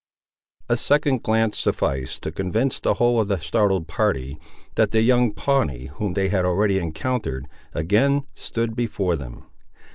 A second glance sufficed to convince the whole of the startled party, that the young Pawnee, whom they had already encountered, again stood before them.